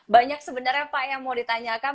banyak sebenarnya pak yang mau ditanyakan